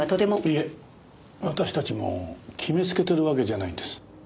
いえ私たちも決めつけてるわけじゃないんです。